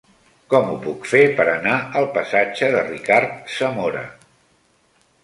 Com ho puc fer per anar al passatge de Ricard Zamora?